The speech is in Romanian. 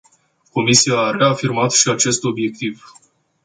Comisia a reafirmat și acest obiectiv.